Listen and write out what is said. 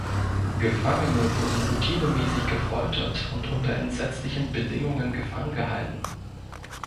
Gefangene wurden routinemäßig gefoltert und unter entsetzlichen Bedingungen gefangen gehalten.